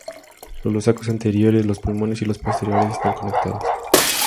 Los sacos anteriores, los pulmones y los posteriores están conectados.